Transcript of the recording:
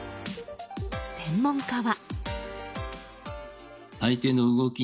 専門家は。